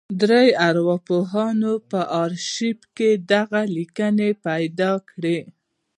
درې ارواپوهانو په ارشيف کې دغه ليکنې پیدا کړې.